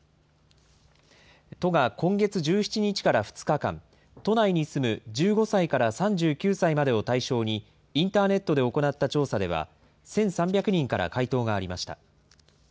都が今月１７日から２日間、都内に住む１５歳から３９歳までを対象に、インターネットで行った調査では、１３００人から回答がありました。